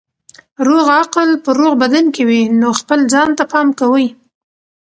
روغ عقل په روغ بدن کې وي نو خپل ځان ته پام کوئ.